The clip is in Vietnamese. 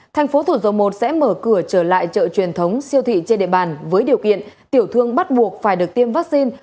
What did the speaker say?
thành phố thủ dầu một sẽ mở cửa trở lại chợ truyền thống siêu thị trên địa bàn với điều kiện tiểu thương bắt buộc phải được tiêm vaccine